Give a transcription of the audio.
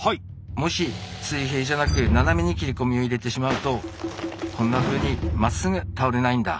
もし水平じゃなく斜めに切れ込みを入れてしまうとこんなふうにまっすぐ倒れないんだ。